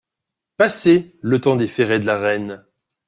Passé, le temps des ferrets de la reine.